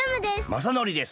まさのりです。